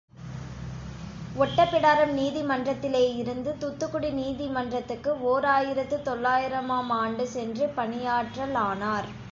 ஒட்டப்பிடாரம் நீதிமன்றத்திலே இருந்து துத்துக்குடி நீதிமன்றத்துக்கு ஓர் ஆயிரத்து தொள்ளாயிரம் ஆம் ஆண்டு சென்று பணியாற்றலானார்.